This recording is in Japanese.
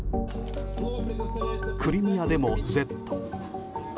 クリミアでも、Ｚ。